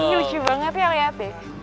lucu banget ya liat deh